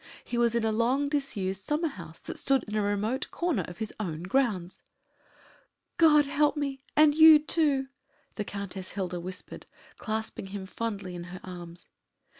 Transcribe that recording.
He was in a long disused summer house that stood in a remote corner of his own grounds! "God help me and you, too!" the Countess Hilda whispered, clasping him fondly in her arms.